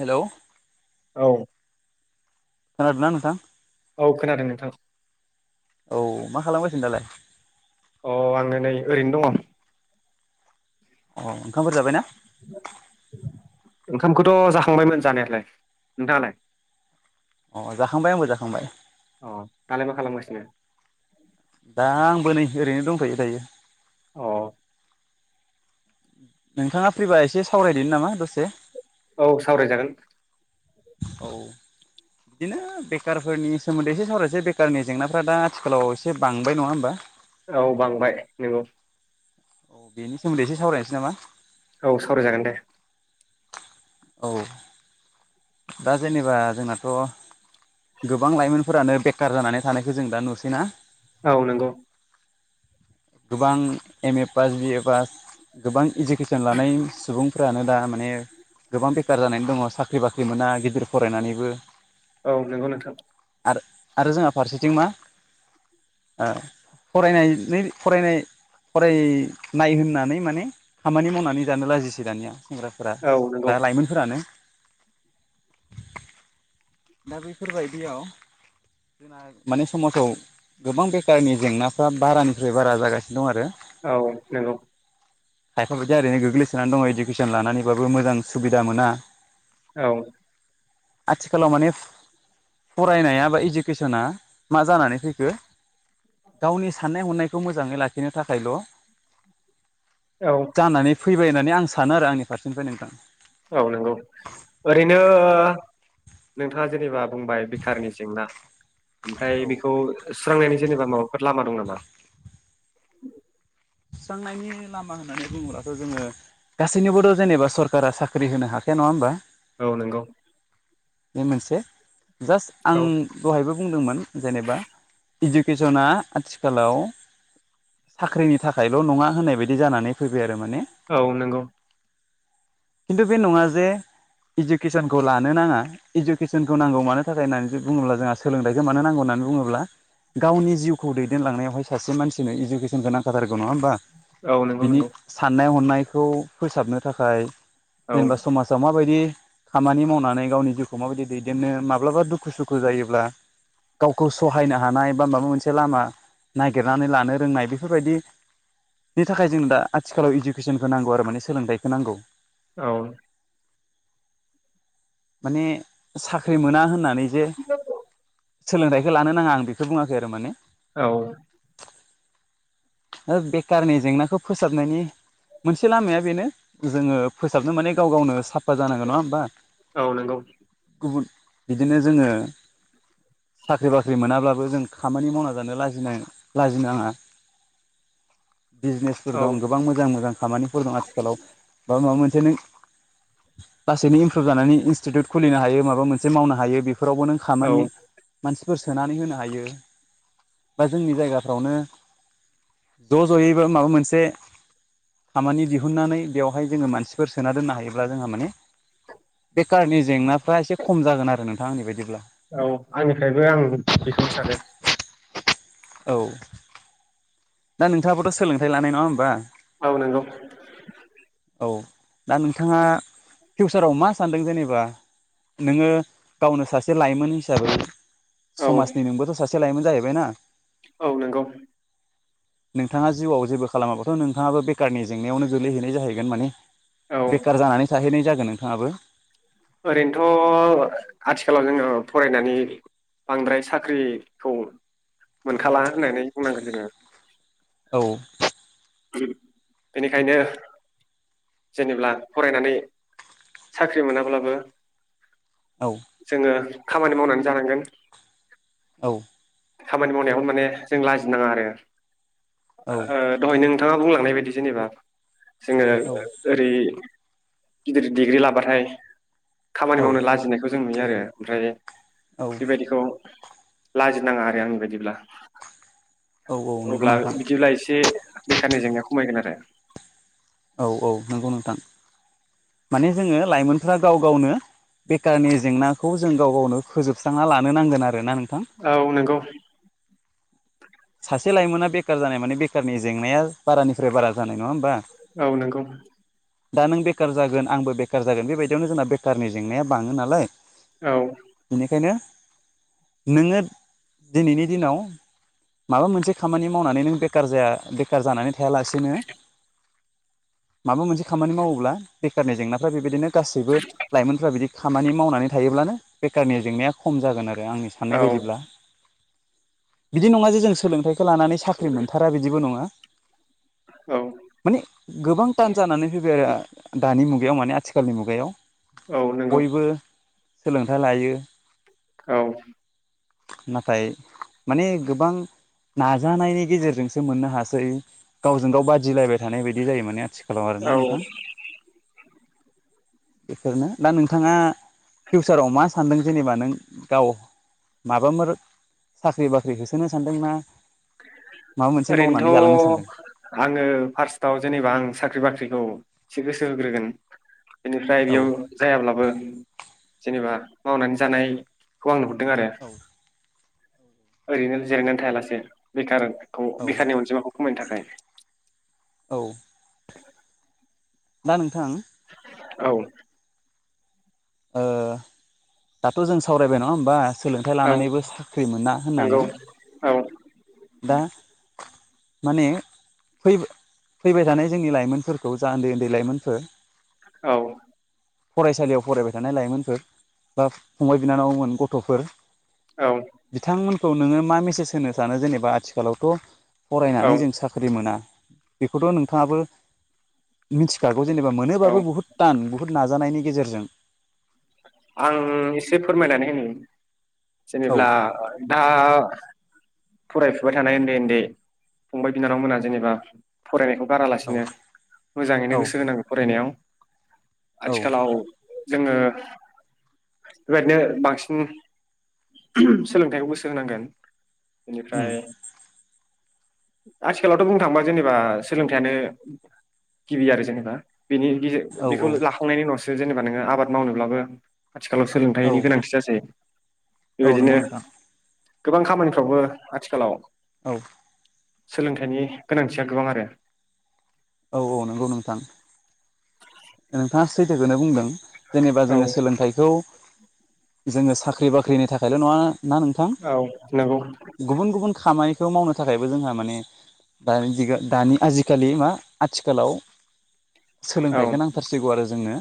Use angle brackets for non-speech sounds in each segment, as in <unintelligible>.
हेल' औ खनााद ल नोंथां? औ खोनादों नोंथां। औ मा खालामगासिनो दालाय अ आङो नै ओरैनो दङ अ ओंखामफोर जाबाय नना ओंखामखौथ' जाखांबायमोन जानायालाय नोंथाङालाय अ जाखांबाय आंबो जाखांबाय अ तालेमा खालामायसि दा आंबो नै ओरैनो दंफायो दायो औ नोंथाङा फ्रि बा एसे सावरायदोनि नामा दसे औ सावरायजागोन औ बिदिनो बेखारफोरनि सोमोन्दै एसे सावरायसै बेखारनि जेंनाफ्रा दा आथिखालाव एसे बांबाय नङा होमबा औ बांबाय नोंगौ औ बेनि सोमोन्दै एसे सावरायनोसै नामा औ सावरायजागोन दे औ दा जेनेबा जोंनाथ' गोबां लाइमोनफोरानो बेखार जानानै थानायखौ जों दा नुसैनाा औ नंगौ गोबां एम एफ बाज एबा गोबां इडुकेसन लानाय सुबुंफ्रानो दा माने गोबां बेखारार जानानै दङ साख्रि बाख्रि मोना गिदिर फरायनानैबो औ नंगौ नोंथां आरो आरो जोंहा फारसेथिं मा फराय फरायनाय फराय नाय होननानै माने खामानि मावनानै जानो लाजिसै दानिया सेंग्राफोरा औ नंगौ बा लाइमोनफोरानो दा बेफोरबायदियाव जोंना माने समाजाव गोबां बेखारारनि जेंनाफ्रा बारानिफ्राय बारा जागासिनो दं आरो औ नोंङौ खायफा बायदि ओरैनो गोग्लैसोनानै दङ इडुकेसन लानानैबाबो मोजां सुबिदा मोना औ आथि खालामाल' मानिस फरायनाया बा इडुकेसना मा जानानै फैखो गावनि साननाय हनायखौ मोजाङै लाखिनो थाखायल' औ जानानै फैबाय होननानै आं सानो आरो आंनि फारसेनिफ्राय नोंथां औ नंगौ ओरैनो नोंथाङा जेनेबा बाय बेखारनि जेंना औ बे सुस्रांनायनि जेनेबा माबाफोर लामा दं नामा सुस्रांनायनि लामा होननानै बुङोब्लाथ' जोङो गासैनोबोथ' जेनेबा सरकारा साख्रि होनो हाखाया नङा होमबा औ नोंगौ बे मोनसे जास्ट आं औ दहायबो बुंदोंमोन जेनेबा इडुकेसना आथिखालाव साख्रिनि थाखायल' नङा होननाय बायदि जानानै फैबाय आरो माने औ नंगौ खिन्थु बे नङा जे इडुकेसनखौ लानो नाङा इडुकेसनखौ नांगौ मानो थाखाय होननानै बुङोब्ला जोंहा सोलोंथाइखौ मानो नांगौ होननानै बुङोब्ला गावनि जिउखौ दैदेनलांनायावहाय सासे मानसिनो इडुकेसन गोनांखाथारगौ नङा होमबा औ नंगौ बिनि नंगौ साननाय हनायखौ फोसाबनो थाखाय औ जेनेबा समाजाव माबायदि खामानि मावनानै गावनि जि मा बायदि दैदेननो माब्लाबा दुखु सुखु जायोब्ला गावखौ सहायनो हानाय बा माबा मोनसे लामा नागिरनानै लानो रोंनाय बेफोरबायदि बेनि थाखाय जोंनो दा आथिखालाव इडुकेसनखौ नांगौ आरो माने सोलोंथाइखौ नांगौ। औ। माने साख्रि मोना होननानै जे <inaudible> सोलोंथाइखौ लानो नाङा आं बेखौ बुङाखै आरो माने। औ। बेखारनि जेंनाखौ फोसाबनायनि मोनसे लामाया बेनो जोङो फोसाबनो माने गाव गावनो साफा जानांगोन नङा होमबा? औ नंगौ। गुबुन बिदिनो जोङो साख्रि बाख्रि मोनाब्लाबो जों खामानि मावना जानो लाजिनो लाजिनाङा। बिजनेसफोर औ दं गोबां मोजां मोजां खामानिफोर दं आथिखालाव बा माबा मोनसे <unintelligible> लासैनो इमप्रुभ जानानै इनस्टिटिउट खुलिनो हायो माबा मोनसे मावनो हायो बे फोरावबो नों औ खामानि मानसि -फोर सोनानै होनो हायो बा जोंनि जायगाफ्रावनो ज' ज'यैबो माबा मोनसे खामानि दिहुननानै बेवहाय जोङो मानसिफोर सोना दोननो हायोब्ला जोंहा माने बेखारनि जेंनाफ्रा एसे खम जागोन आरो नोंथां आंनि बायदिब्ला। औ आंनिफ्रायबो आं बेखौनो सानो। औ। ना नोंथाङाबोथ' सोलोंथाइ लानाय नङा होमबा? औ नांगौ। औ दा नोंथाङा फिउसाराव मा सानदों जेनेबा? नोङो गावनो सासे लाइमोन हिसाबै औ समाजनि नोंबोथ' सासे लायोमोन जाहैबायना । औ नंगौ। नोंथाङा जिउआव जेबो खालामाबाथ' नोंथाङाबो बेखारनि जेंनायावनो गोलैहैनाय जाहैगोन माने औ बेखार जानानै थाहैनाय जागोन नोंथाङाबो। ओरैनोथ' आथिखालाव जोङो फरायनानै बांद्राय साख्रिखौ मोनखाला होननानै बुंनांगोन जोङो। औ। <unintelligible> बेनिखायनो जेनेब्ला फरायनानै साख्रि मोनाब्लाबो औ जोङो खामानि मावनानै जानांगोन। औ। खामानि मावनायाव माने जों लाजिनााङा आरो औ ओ दहाय नों नोंथाङा बुंलांनाय बायदि जेनेबा जोङो <inaudible> गिदिर डिग्रि लाबाथाय खामानि मावनो औ लाजिनायखौ जों नुयो आरो ओमफ्राय औ बेबायदिखौ लाजि नाङा आरो आंनि बायदिब्ला औ औ नंगौ अब्ला नोंथां बिदिब्ला एसे बेखारनि जेंनाया खमायगोन आरो। औ औ नोंगौ नोंथां माने जोङो लाइमोनफ्रा गाव गावनो बेखारनि जेंनाखौ जों गाव गावनो फोजोबस्रांना लानो नांगोन आरो ना नों औ नोंगौ। सासे लाइमोना बेखार जानाय माने बेखारनि जेंनायाव बारानिफ्राय बारा जानाय नङा होमबा? औ नोंगौ। दा नों बेखार जागोन आंबो बेखार जागोन बेबायदियावनो जोंना बेखारनि जेंनाया बाङो नालाय। औ बेनिखायनो नोङो दिनैनि दिनाव माबा मोनसे खामानि मावनानै नों बेखार जाया बेखार जानानै थायालासेनो माबा मोनसे खामानि मावोब्ला बेखारनि जेंनाफ्रा बेबायदिनो गासैबो लाइमोनफ्रा बिदि खामानि मावनानै थायोब्लानो बेखारनि जेंनाया खम जागोन आरो आरो आंनि साननाय औ बायदिब्ला बिदि नङा जे जों सोलोंथाइ खो लानानै साख्रि मोनथारा बिदिबो नङा। औ माने गोबां टान जानानै फैबाय आरो दानि मुग बेयाव माने आथिखालनि मुगायाव औ नोंगौ। बयबो सोलोंथाइ लायो औ नाथाय माने गोबां नाजानायनि गेजेरजोंसो मोननो हासै गावजों गाव बाद दिलायबाय थानाय बायदि जायो माने आथिखालाव आरोना औ नोंथां। बेफोरनो दा नोंथाङा फिउचाराव मा सानदों जेनेबा नों गाव माबामोर साख्रि बाख्रि होसोनो सानदों ना <inaudible> मावनानै जालांनो ओरैनोथ' सानदों आङो फार्स्टआव जेनेबा आं साख्रि बाख्रिखौ एसे गोसो होग्रोगोन बेनिफ्राय औ बेयाव जायाब्लाबो जेनेबा मावनानै जानाय खौ आं नुहुरदों आरो औ ओरैनो जेरायनानै थायालासे बेखार खौ बेखारनि अनजिमाखौ खमायनो थाखाय औ दा नोंथां औ ओ दाथ' जों सावरायबाय नङा होमबा सोलोंथाइ औ लानानैबो साख्रि मोना नंगौ होननानै औ दा माने फै फैबाय थानाय जोंनि लाइमोनफोरखौ जा ओन्दै ओन्दै लाइमोनफोर औ फरायसालियाव फरायबाय थानाय लाइमोनफोर बा फंबाय बिनानावमोन गथ'फोर औ बिथांमोनखौ नोङो मा मेसेज होनो सानो जेनेबा आथिखालावथ' औ फरायनानै जों साख्रि मोना बेखौथ' नोंथाङाबो मिथिखा गौ जेनेबा औ मोनोबाबो बुहुत टान बुहुत नाजानायनि गेजेरजों आं इसे फोरमायनानै होनि औ जेनेब्ला दा फरायफुबाय थानाय ओन्दै ओन्दै फंबाय बिनानाव मोना जेनेबा फरायनायखौ औ गारालासिनो औ मोजाङैनो गोसो होनांगो फरायनायाव औ आथिखालाव जोङो बेबायदिनो बांसिन ओम सोलोंथाइखौ गोसो होनांगोन बेनिफ्राय उम आथिखालावथ' बुंनो थाङोबा जेनेबा सोलोंथाइयानो गिबि आरो जेनेबा बिनि बे औ बेखौ लाखांनायनि उनावसो जेनेबा नोङो आबाद मावनोब्लाबो आथिखालाव औ सोलोंथाइनि गोनांथि जासै औ बेबायदिनो नंगौ नोंथां। गोबां खामानिफ्रावबो आथिखालाव औ सोलोंथाइनि गोनांथिया गोबां आरो औ औ नंगौ नोंथां। नोंथाङा सैथोखौनो बुंदों जेनेबा औ जोङो सोलोंथाइखौ जोङो साख्रि बाख्रिनि थाखायल' नङा ना नोंथां औ नंगौ गुबुन गुबुन खामानिखौ मावनो थाखायबो जोंहा माने दानि जिगो दानि आजिखालि मा आथिखालाव औ सोलोंथाइखौ नांथारसिगौ आरो जोंनो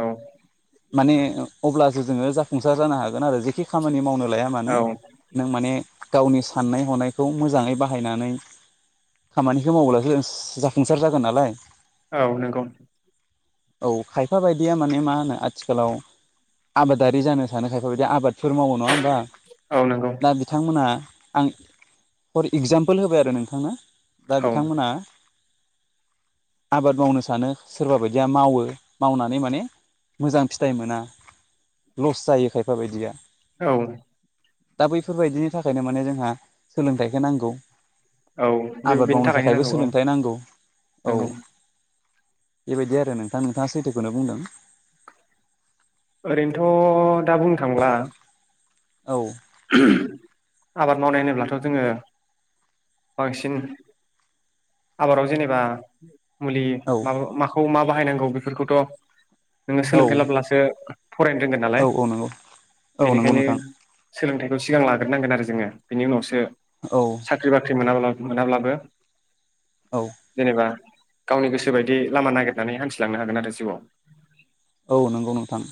औ माने अब्ला जो जोङो जाफुंसार जानो हागोन आरो जेखि खामानि मावनो लाया मानो औ नों माने गावनि साननाय हनायखौ मोजाङै बाहायनानै खामानिखौ माव्लासो जाफुंसार जागोन नालाय। औ नंगौ। औ खायफा बायदिया माने मा होनो आथिखालाव आबादारि जानो सानो खायफा बायदिया आबाद फोर मावो नङा होमबा औ नंगौ दा बिथांमोना आं फर एगजामपोल होबाय आरो नोंथांनो दा औ बिथांमोना आबाद मावनो सानो सोरबा बायदि बायदिया मावो मावनानै माने मोजां फिथाइ मोना लस जायो खायफा बायदिया औ दा बैफोरबायदिनि थाखायनो माने जोंहा सोलोंथाइखौ नांगौ औ बे आबाद बेनि मावनो थाखायनो थाखायबो नांगौ औ सोलोंथाइ नांगौ औ नंगौ बेबायदि आरो नोंथां नोंथाङा सैथोखौनो बुंदों ओरैनोथ' दा बुंनो थांब्ला औ ओम आबाद मावनाय होनोब्लाथ' जोङो बांसिन आबादाव जेनेबा मुलि औ माबा माखौ मा बाहायनांगौ बेफोरखौथ' नोङो औ सोलोंथाइ लाब्लासो फरायनो रोंगोन नालाय औ नंगौ औ नंगौ बेनिखायनो नोंथां सोलोंथाइखौ सिगां लाग्रोनांगोन आरो जोङो बेनि उनावसो औ साख्रि बाख्रि मोनाब्ला मोनाब्लाबो औ जेनेबा गावनि गोसो बायदि लामा नागिरनानै हान्थिलांनो हागोन आरो जिउआव औ नंगौ नोंथां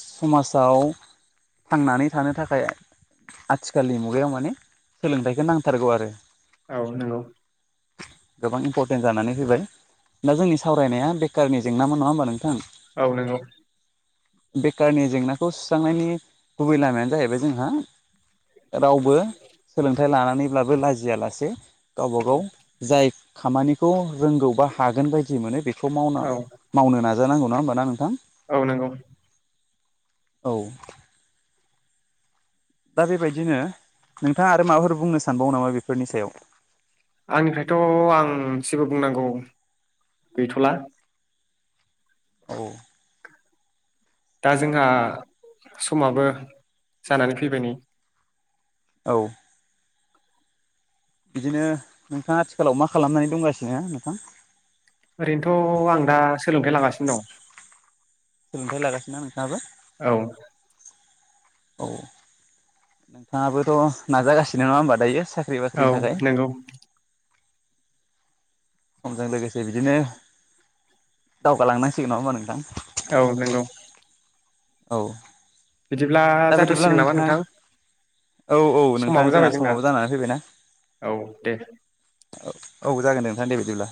समाजाव थांनानै थानो थाखाय आथिखालनि मुगायाव माने सोलोंथाइखौ नांथारगौ आरो। औ नंगौ। गोबां इम्परटेन्ट जानानै फैबाय दा जोंनि सावरायनाया बेखारनि जेंनामोन नङा होमबा नोंथां। औ नंगौ बेखारनि जेंनाखौ सुस्रांनायनि गुबै लामायानो जाहैबाय जोंहा रावबो सोलोंथाइ लानानैब्लाबो लाजियालासे गावबा औ गाव। जाय खामानिखौ रोंगौबा हागोन बायदि मोनो बेखौ मावना औ मावनो नाजा नाजानांगौना होमबा नोंथां औ नंगौ औ दा बेबायदिनो नोंथाङा आरो माबाफोर बुंनो सानबाव नामा बेफोरनि सायाव? आंनिफ्रायथ' आं जेबो बुंनांगौ गैथ'ला। औ। दा जोंहा समाबो जानानै फैबाय नै। औ बिदिनो नोंथाङा आथिखालाव मा खालामनानै दंगासिनो नोंथां? न' <unintelligible> सोलोंथाइ लागासिनोना नोंथाङाबो? औ। औ नोंथाङाबोथ' नाजागासिनो नङा होमबा दायो। साख्रि औ बाख्रिनि थाखाय। नंगौ समजों लोगोसे बिदिनो दावगालांनांसिगोन नङा होमबा नोंथां। औ नंगौ। औ बिदिब्ला दा बिदिब्ला जाथ'सिगोन नामा नोंथां। औ औ नोंथां समाबो जोंहा जाबाय जोंना समावबो जानानै फैबायना । औ दे औ जागोन दे नोंथां दे बिदिब्ला।